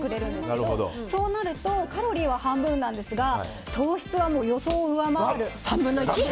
カロリーは半分なんですが糖質は予想を上回る３分の１。